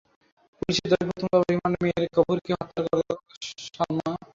পুলিশের দাবি, প্রথম দফা রিমান্ডে মেয়র গফুরকে হত্যার কথা সালমা স্বীকার করেন।